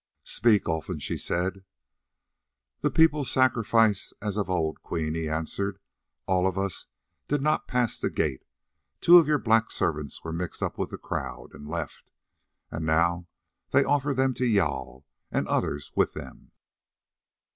"Speak, Olfan," she said. "The people sacrifice as of old, Queen," he answered. "All of us did not pass the gate; two of your black servants were mixed up with the crowd and left, and now they offer them to Jâl, and others with them."